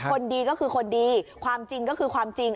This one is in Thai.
คนดีก็คือคนดีความจริงก็คือความจริง